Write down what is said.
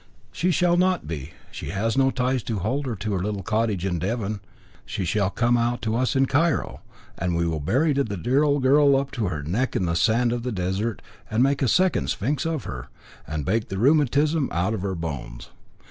"She shall not be. She has no ties to hold her to the little cottage in Devon. She shall come out to us in Cairo, and we will bury the dear old girl up to her neck in the sand of the desert, and make a second Sphynx of her, and bake the rheumatism out of her bones.